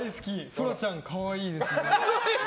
そらちゃん、可愛いですね。